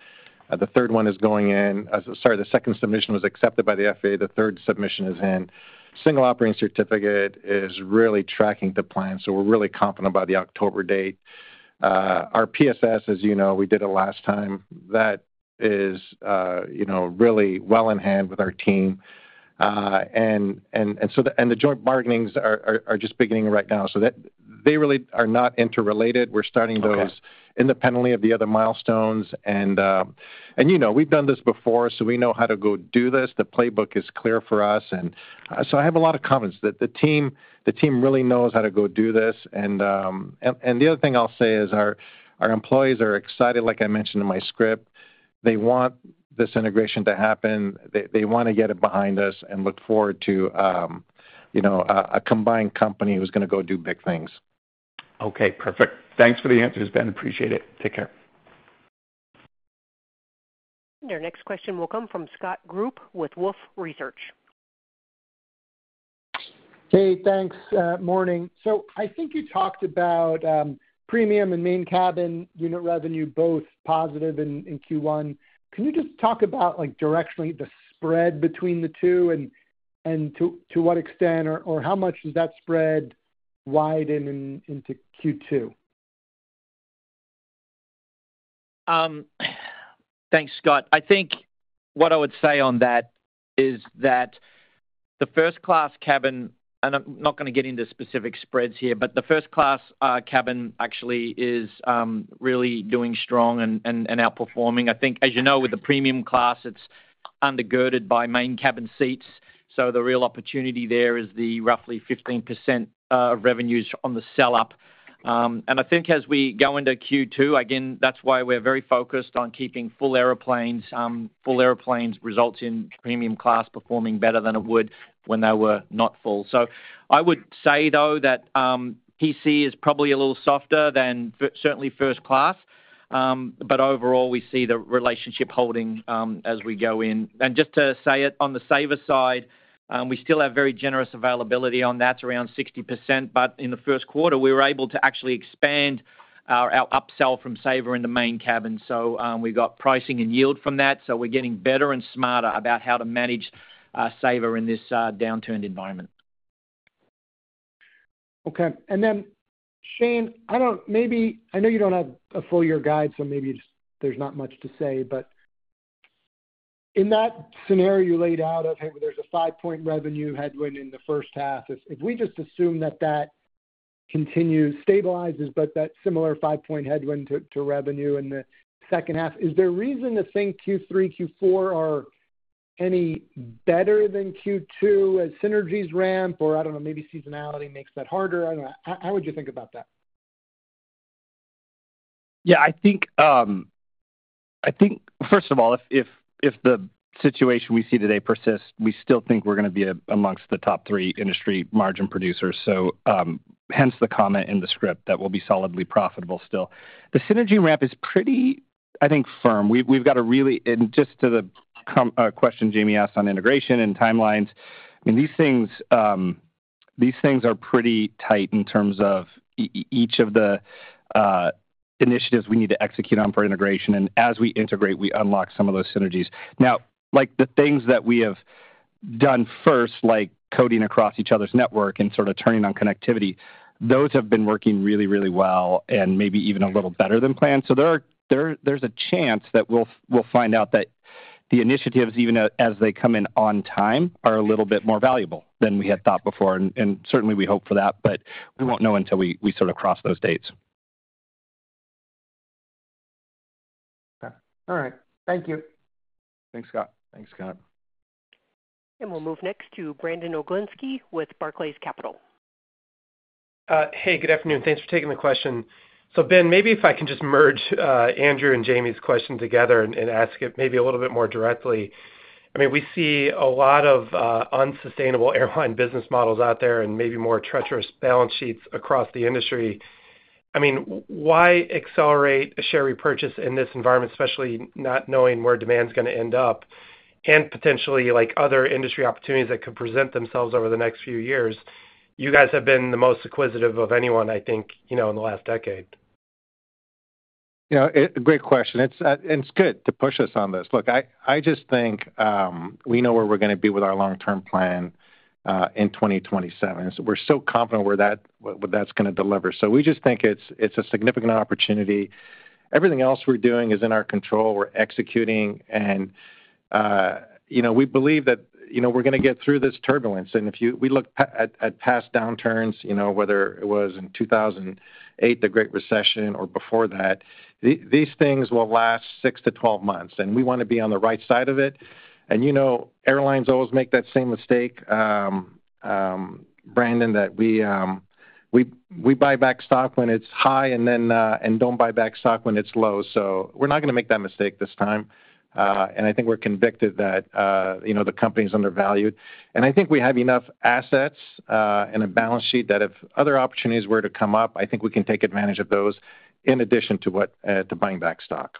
The third one is going in. Sorry, the second submission was accepted by the FAA. The third submission is in. Single operating certificate is really tracking the plan. We are really confident about the October date. Our PSS, as you know, we did it last time. That is really well in hand with our team. The joint bargainings are just beginning right now. They really are not interrelated. We are starting those independently of the other milestones. We have done this before, so we know how to go do this. The playbook is clear for us. I have a lot of confidence that the team really knows how to go do this. The other thing I'll say is our employees are excited, like I mentioned in my script. They want this integration to happen. They want to get it behind us and look forward to a combined company who's going to go do big things. Okay. Perfect. Thanks for the answers, Ben. Appreciate it. Take care. Our next question will come from Scott Group with Wolfe Research. Hey, thanks. Morning. I think you talked about premium and Main Cabin unit revenue, both positive in Q1. Can you just talk about directionally the spread between the two and to what extent, or how much does that spread widen into Q2? Thanks, Scott. I think what I would say on that is that the First Class cabin, and I'm not going to get into specific spreads here, but the First Class cabin actually is really doing strong and outperforming. I think, as you know, with the Premium Class, it's undergirded by Main Cabin seats. The real opportunity there is the roughly 15% of revenues on the sell-up. I think as we go into Q2, that's why we're very focused on keeping full airplanes. Full airplanes result in Premium Class performing better than it would when they were not full. I would say, though, that PC is probably a little softer than certainly First Class. Overall, we see the relationship holding as we go in. Just to say it on the Saver side, we still have very generous availability on that. It's around 60%. In the Q1, we were able to actually expand our upsell from Saver into Main Cabin. We got pricing and yield from that. We're getting better and smarter about how to manage Saver in this downturned environment. Okay. Shane, I know you do not have a full year guide, so maybe there is not much to say. In that scenario you laid out, there is a five-point revenue headwind in the first half. If we just assume that continues, stabilizes, but that similar five-point headwind to revenue in the second half, is there a reason to think Q3, Q4 are any better than Q2 as synergies ramp? I do not know, maybe seasonality makes that harder. I do not know. How would you think about that? Yeah. I think, first of all, if the situation we see today persists, we still think we're going to be amongst the top three industry margin producers. Hence the comment in the script that we'll be solidly profitable still. The synergy ramp is pretty, I think, firm. We've got a really—and just to the question Jamie asked on integration and timelines, I mean, these things are pretty tight in terms of each of the initiatives we need to execute on for integration. As we integrate, we unlock some of those synergies. Now, the things that we have done first, like coding across each other's network and sort of turning on connectivity, those have been working really, really well and maybe even a little better than planned. There is a chance that we'll find out that the initiatives, even as they come in on time, are a little bit more valuable than we had thought before. Certainly, we hope for that, but we won't know until we sort of cross those dates. Okay. All right. Thank you. Thanks, Scott. Thanks, Scott. We'll move next to Brandon Oglenski with Barclays Capital. Hey, good afternoon. Thanks for taking the question. Ben, maybe if I can just merge Andrew and Jamie's question together and ask it maybe a little bit more directly. I mean, we see a lot of unsustainable airline business models out there and maybe more treacherous balance sheets across the industry. I mean, why accelerate a share repurchase in this environment, especially not knowing where demand's going to end up and potentially other industry opportunities that could present themselves over the next few years? You guys have been the most acquisitive of anyone, I think, in the last decade. Yeah. Great question. It's good to push us on this. Look, I just think we know where we're going to be with our long-term plan in 2027. We're so confident where that's going to deliver. We just think it's a significant opportunity. Everything else we're doing is in our control. We're executing. We believe that we're going to get through this turbulence. If we look at past downturns, whether it was in 2008, the Great Recession, or before that, these things will last 6-12 months. We want to be on the right side of it. Airlines always make that same mistake, Brandon, that we buy back stock when it's high and don't buy back stock when it's low. We're not going to make that mistake this time. I think we're convicted that the company's undervalued. I think we have enough assets and a balance sheet that if other opportunities were to come up, I think we can take advantage of those in addition to buying back stock.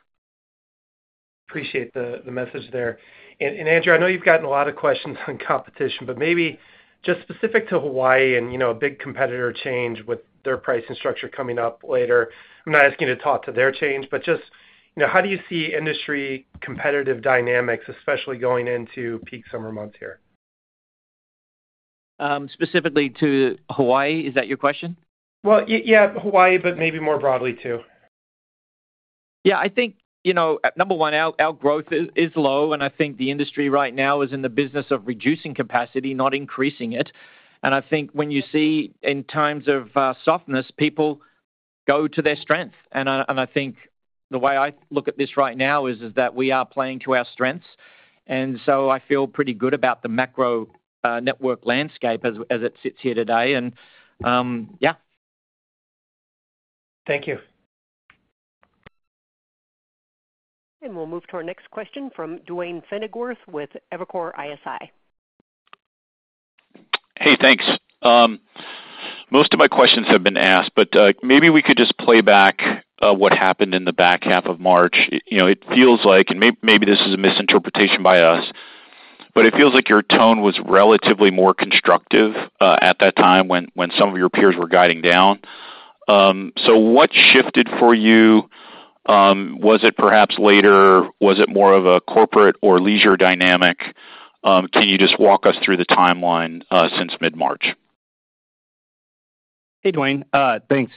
Appreciate the message there. Andrew, I know you've gotten a lot of questions on competition, but maybe just specific to Hawaii and a big competitor change with their pricing structure coming up later. I'm not asking you to talk to their change, but just how do you see industry competitive dynamics, especially going into peak summer months here? Specifically to Hawaii, is that your question? Yeah, Hawaii, but maybe more broadly too. Yeah. I think, number one, our growth is low. I think the industry right now is in the business of reducing capacity, not increasing it. I think when you see in times of softness, people go to their strengths. I think the way I look at this right now is that we are playing to our strengths. I feel pretty good about the macro network landscape as it sits here today. Yeah. Thank you. We will move to our next question from Duane Pfennigwerth with Evercore ISI. Hey, thanks. Most of my questions have been asked, but maybe we could just play back what happened in the back half of March. It feels like, and maybe this is a misinterpretation by us, but it feels like your tone was relatively more constructive at that time when some of your peers were guiding down. What shifted for you? Was it perhaps later? Was it more of a corporate or leisure dynamic? Can you just walk us through the timeline since mid-March? Hey, Duane. Thanks.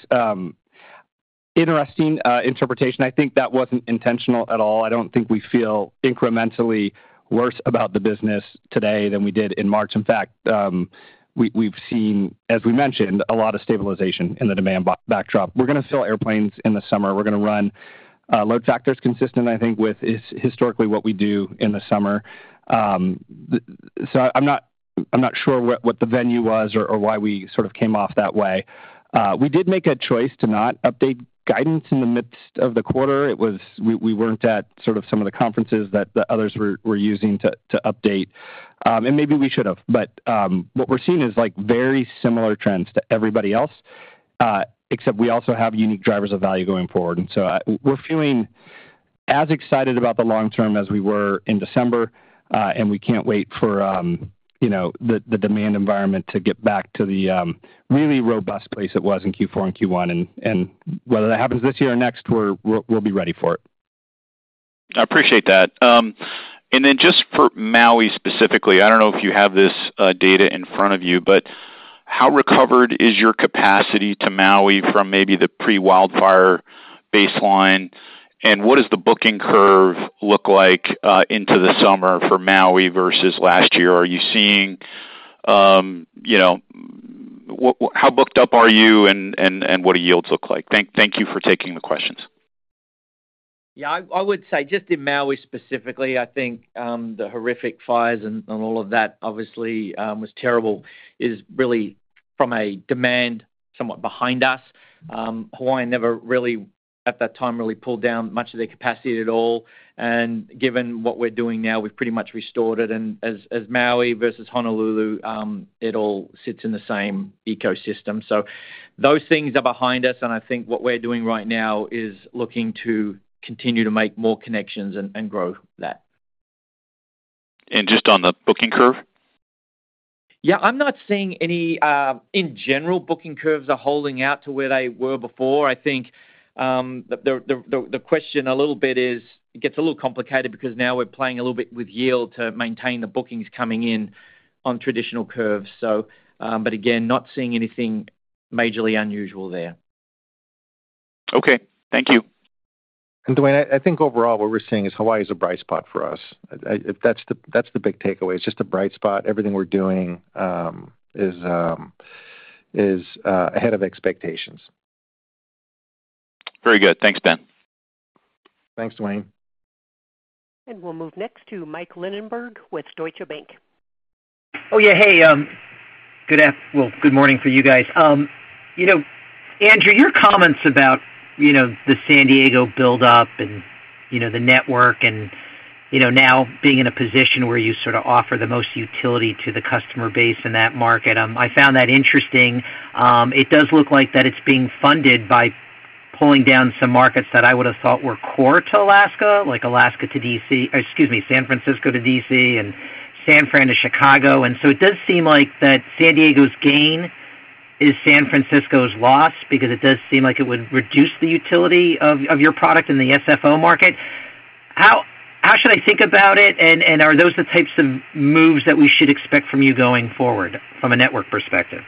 Interesting interpretation. I think that was not intentional at all. I do not think we feel incrementally worse about the business today than we did in March. In fact, we have seen, as we mentioned, a lot of stabilization in the demand backdrop. We are going to sell airplanes in the summer. We are going to run load factors consistent, I think, with historically what we do in the summer. I am not sure what the venue was or why we sort of came off that way. We did make a choice to not update guidance in the midst of the quarter. We were not at some of the conferences that others were using to update. Maybe we should have. What we are seeing is very similar trends to everybody else, except we also have unique drivers of value going forward. We are feeling as excited about the long term as we were in December. We cannot wait for the demand environment to get back to the really robust place it was in Q4 and Q1. Whether that happens this year or next, we will be ready for it. I appreciate that. Just for Maui specifically, I do not know if you have this data in front of you, but how recovered is your capacity to Maui from maybe the pre-wildfire baseline? What does the booking curve look like into the summer for Maui versus last year? Are you seeing how booked up are you and what do yields look like? Thank you for taking the questions. Yeah. I would say just in Maui specifically, I think the horrific fires and all of that, obviously, was terrible, is really from a demand somewhat behind us. Hawaii never really, at that time, really pulled down much of their capacity at all. Given what we're doing now, we've pretty much restored it. As Maui versus Honolulu, it all sits in the same ecosystem. Those things are behind us. I think what we're doing right now is looking to continue to make more connections and grow that. Just on the booking curve? Yeah. I'm not seeing any, in general, booking curves are holding out to where they were before. I think the question a little bit is it gets a little complicated because now we're playing a little bit with yield to maintain the bookings coming in on traditional curves. Again, not seeing anything majorly unusual there. Okay. Thank you. Duane, I think overall, what we're seeing is Hawaii is a bright spot for us. That's the big takeaway. It's just a bright spot. Everything we're doing is ahead of expectations. Very good. Thanks, Ben. Thanks, Duane. We will move next to Mike Linenberg with Deutsche Bank. Oh, yeah. Hey. Good morning for you guys. Andrew, your comments about the San Diego buildup and the network and now being in a position where you sort of offer the most utility to the customer base in that market, I found that interesting. It does look like that it's being funded by pulling down some markets that I would have thought were core to Alaska, like Alaska to DC, excuse me, San Francisco to DC, and San Fran to Chicago. It does seem like that San Diego's gain is San Francisco's loss because it does seem like it would reduce the utility of your product in the SFO market. How should I think about it? Are those the types of moves that we should expect from you going forward from a network perspective?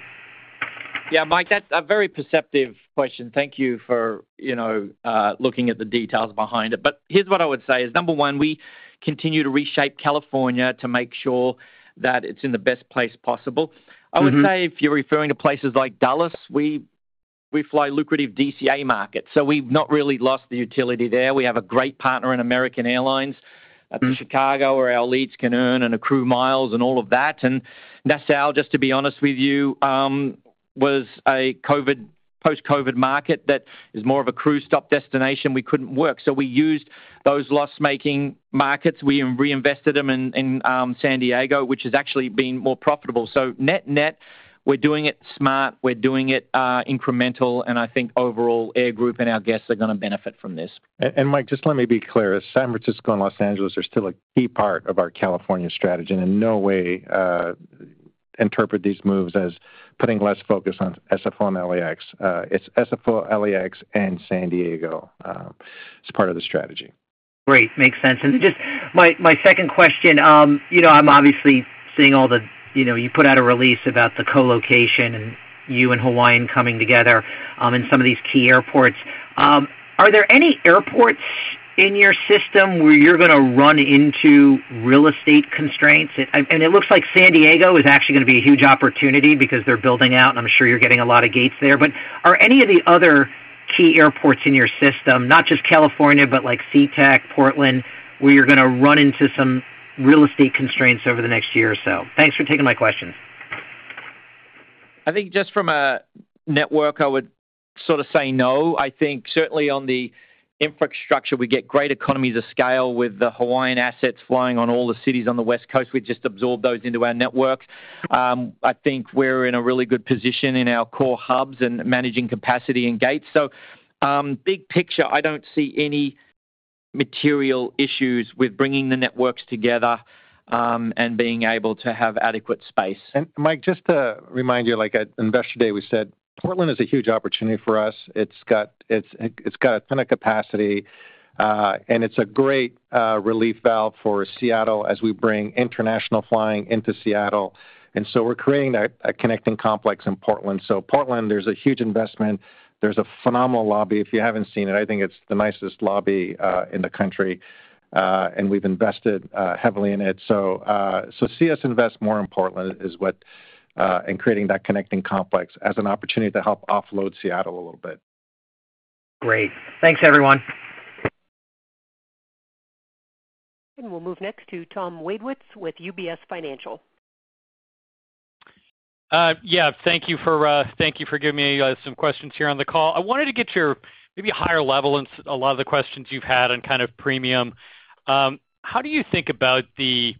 Yeah, Mike, that's a very perceptive question. Thank you for looking at the details behind it. Here's what I would say is, number one, we continue to reshape California to make sure that it's in the best place possible. I would say if you're referring to places like Dulles, we fly lucrative DCA markets. We've not really lost the utility there. We have a great partner in American Airlines to Chicago where our leads can earn and accrue miles and all of that. Nassau, just to be honest with you, was a post-COVID market that is more of a cruise stop destination. We couldn't work. We used those loss-making markets. We reinvested them in San Diego, which has actually been more profitable. Net-net, we're doing it smart. We're doing it incremental. I think overall, Air Group and our guests are going to benefit from this. Mike, just let me be clear. San Francisco and Los Angeles are still a key part of our California strategy. In no way interpret these moves as putting less focus on SFO and LAX. It is SFO, LAX, and San Diego as part of the strategy. Great. Makes sense. Just my second question, I'm obviously seeing all the you put out a release about the colocation and you and Hawaiian coming together in some of these key airports. Are there any airports in your system where you're going to run into real estate constraints? It looks like San Diego is actually going to be a huge opportunity because they're building out. I'm sure you're getting a lot of gates there. Are any of the other key airports in your system, not just California, but like SeaTac, Portland, where you're going to run into some real estate constraints over the next year or so? Thanks for taking my questions. I think just from a network, I would sort of say no. I think certainly on the infrastructure, we get great economies of scale with the Hawaiian assets flying on all the cities on the West Coast. We just absorbed those into our network. I think we're in a really good position in our core hubs and managing capacity and gates. Big picture, I don't see any material issues with bringing the networks together and being able to have adequate space. Mike, just to remind you, like at Investor Day, we said Portland is a huge opportunity for us. It has got a ton of capacity. It is a great relief valve for Seattle as we bring international flying into Seattle. We are creating a connecting complex in Portland. Portland, there is a huge investment. There is a phenomenal lobby. If you have not seen it, I think it is the nicest lobby in the country. We have invested heavily in it. See us invest more in Portland and creating that connecting complex as an opportunity to help offload Seattle a little bit. Great. Thanks, everyone. We will move next to Tom Wadewitz with UBS Financial. Yeah. Thank you for giving me some questions here on the call. I wanted to get your maybe higher level on a lot of the questions you've had on kind of premium. How do you think about the,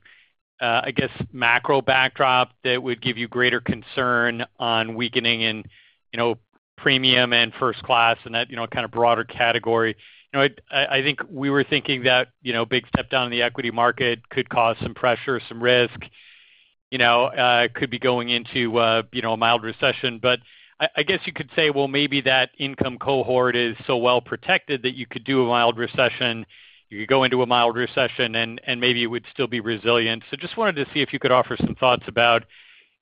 I guess, macro backdrop that would give you greater concern on weakening in premium and First Class and that kind of broader category? I think we were thinking that a big step down in the equity market could cause some pressure, some risk, could be going into a mild recession. I guess you could say, well, maybe that income cohort is so well protected that you could do a mild recession. You could go into a mild recession, and maybe it would still be resilient. I just wanted to see if you could offer some thoughts about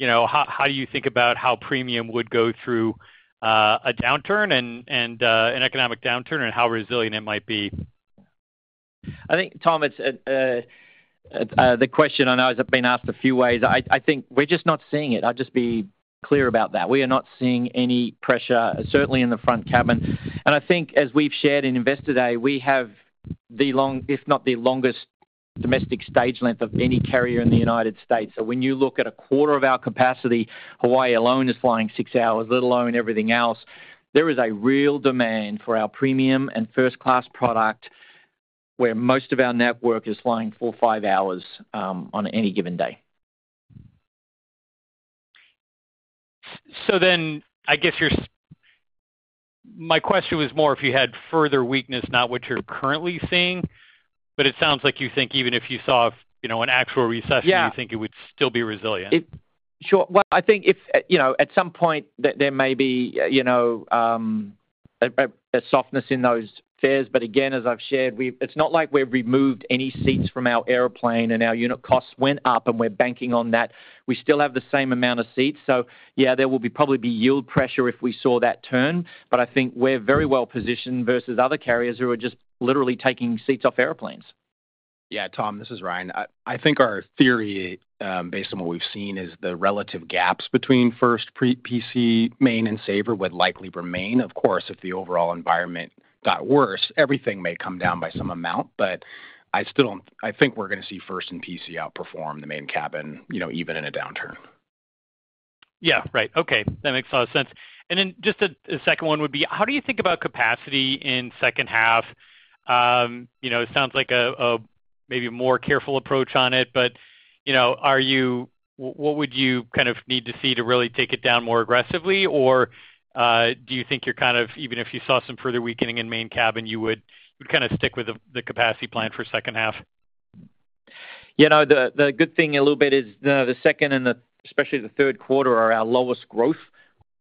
how do you think about how premium would go through a downturn and an economic downturn and how resilient it might be? I think, Tom, the question I know has been asked a few ways. I think we're just not seeing it. I'll just be clear about that. We are not seeing any pressure, certainly in the front cabin. I think, as we've shared in Investor Day, we have the long, if not the longest domestic stage length of any carrier in the United States. When you look at a quarter of our capacity, Hawaii alone is flying six hours, let alone everything else. There is a real demand for our premium and First Class product where most of our network is flying four, five hours on any given day. I guess my question was more if you had further weakness, not what you're currently seeing, but it sounds like you think even if you saw an actual recession, you think it would still be resilient. Sure. I think at some point, there may be a softness in those fares. Again, as I've shared, it's not like we've removed any seats from our airplane and our unit costs went up and we're banking on that. We still have the same amount of seats. Yeah, there will probably be yield pressure if we saw that turn. I think we're very well positioned versus other carriers who are just literally taking seats off airplanes. Yeah. Tom, this is Ryan. I think our theory, based on what we've seen, is the relative gaps between first, pre-PC, Main, and Saver would likely remain. Of course, if the overall environment got worse, everything may come down by some amount. I think we're going to see first and PC outperform the Main Cabin, even in a downturn. Yeah. Right. Okay. That makes a lot of sense. Just a second one would be, how do you think about capacity in second half? It sounds like a maybe more careful approach on it, but what would you kind of need to see to really take it down more aggressively? Or do you think you're kind of, even if you saw some further weakening in Main Cabin, you would kind of stick with the capacity plan for second half? Yeah. The good thing a little bit is the second and especially the Q3 are our lowest growth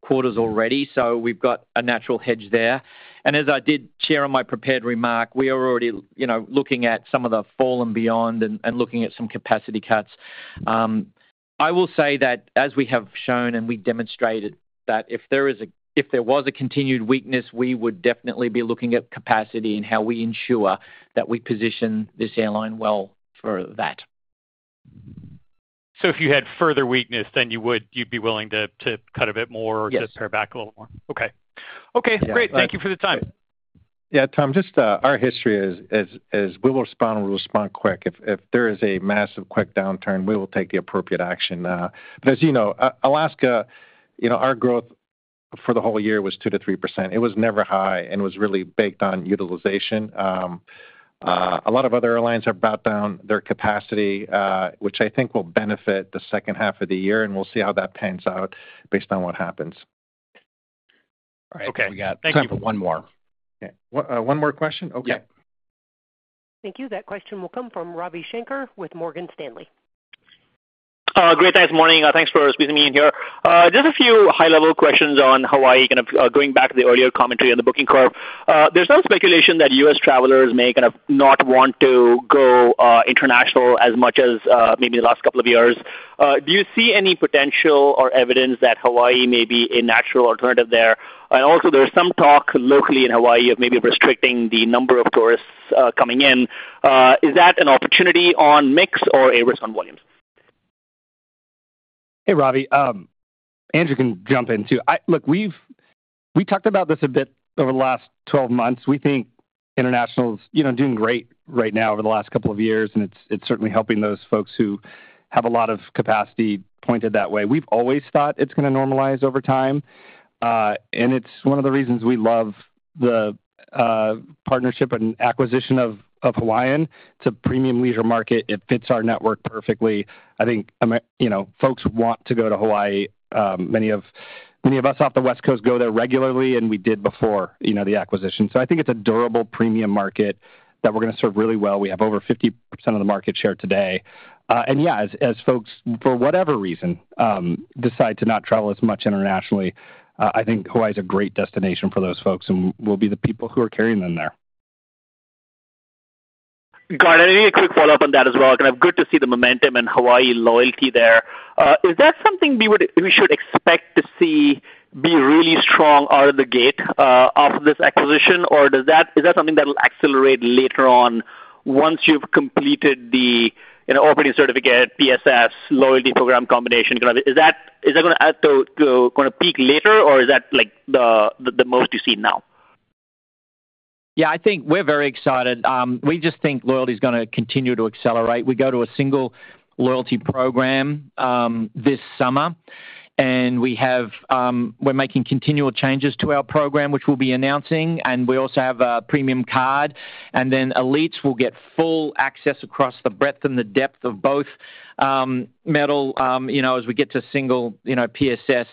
quarters already. We have got a natural hedge there. As I did share in my prepared remark, we are already looking at some of the fall and beyond and looking at some capacity cuts. I will say that as we have shown and we demonstrated that if there was a continued weakness, we would definitely be looking at capacity and how we ensure that we position this airline well for that. If you had further weakness, then you'd be willing to cut a bit more or just pare back a little more? Yes. Okay. Okay. Great. Thank you for the time. Yeah. Tom, just our history is we will respond and we'll respond quick. If there is a massive quick downturn, we will take the appropriate action. As you know, Alaska, our growth for the whole year was 2-3%. It was never high and was really baked on utilization. A lot of other airlines have brought down their capacity, which I think will benefit the second half of the year. We'll see how that pans out based on that happens. All right. We got time for one more. One more question? Okay. Thank you. That question will come from Ravi Shanker with Morgan Stanley. Great. Thanks morning, Thanks for speaking to me here. Just a few high-level questions on Hawaii, kind of going back to the earlier commentary on the booking curve. There's some speculation that U.S. travelers may kind of not want to go international as much as maybe the last couple of years. Do you see any potential or evidence that Hawaii may be a natural alternative there? Also, there's some talk locally in Hawaii of maybe restricting the number of tourists coming in. Is that an opportunity on mix or everyone's on volumes? Hey, Ravi. Andrew can jump in too. Look, we talked about this a bit over the last 12 months. We think international is doing great right now over the last couple of years. It is certainly helping those folks who have a lot of capacity pointed that way. We have always thought it is going to normalize over time. It is one of the reasons we love the partnership and acquisition of Hawaiian. It is a premium leisure market. It fits our network perfectly. I think folks want to go to Hawaii. Many of us off the West Coast go there regularly, and we did before the acquisition. I think it is a durable premium market that we are going to serve really well. We have over 50% of the market share today. Yeah, as folks, for whatever reason, decide to not travel as much internationally, I think Hawaii is a great destination for those folks and will be the people who are carrying them there. Got it. I think a quick follow-up on that as well. Kind of good to see the momentum and Hawaii loyalty there. Is that something we should expect to see be really strong out of the gate off of this acquisition? Or is that something that will accelerate later on once you've completed the operating certificate, PSS, loyalty program combination? Is that going to peak later, or is that the most you see now? Yeah. I think we're very excited. We just think loyalty is going to continue to accelerate. We go to a single loyalty program this summer. We are making continual changes to our program, which we'll be announcing. We also have a premium card. Elites will get full access across the breadth and the depth of both metal as we get to single PSS.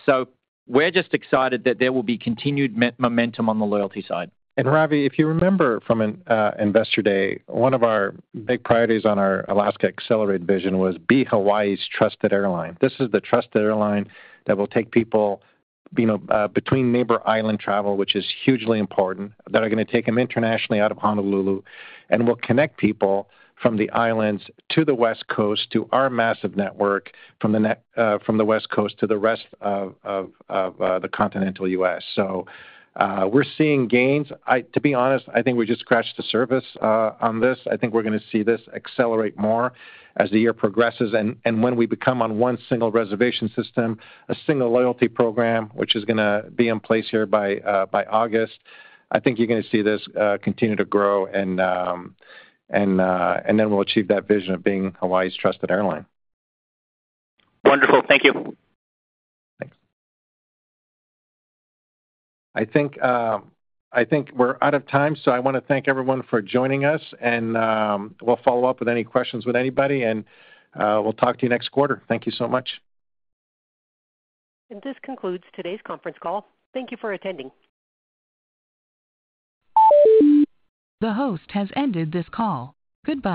We are just excited that there will be continued momentum on the loyalty side. Ravi, if you remember from Investor Day, one of our big priorities on our Alaska Accelerate vision was be Hawaii's trusted airline. This is the trusted airline that will take people between Neighbor Island travel, which is hugely important, that are going to take them internationally out of Honolulu, and will connect people from the islands to the West Coast to our massive network from the West Coast to the rest of the continental U.S. We are seeing gains. To be honest, I think we just scratched the surface on this. I think we are going to see this accelerate more as the year progresses. When we become on one single reservation system, a single loyalty program, which is going to be in place here by August, I think you are going to see this continue to grow. We will achieve that vision of being Hawaii's trusted airline. Wonderful. Thank you. Thanks. I think we're out of time. I want to thank everyone for joining us. We'll follow up with any questions with anybody. We'll talk to you next quarter. Thank you so much. This concludes today's conference call. Thank you for attending. The host has ended this call. Goodbye.